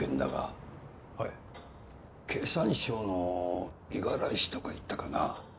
経産省の五十嵐とか言ったかな。